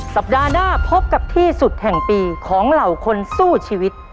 สัปดาห์หน้าพบกับที่สุดแห่งปีของเหล่าคนสู้ชีวิต